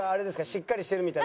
しっかりしてるみたいな。